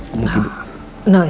tidak tidak apa apa